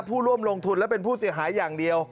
ผู้ร่วมลงทุนและเป็นผู้เสียหายอย่างเดียว